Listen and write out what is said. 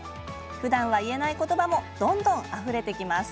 ふだんは言えない言葉もどんどんあふれてきます。